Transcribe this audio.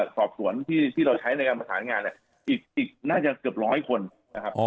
สอบสวนที่เราใช้ในการประสานงานเนี่ยอีกน่าจะเกือบร้อยคนนะครับ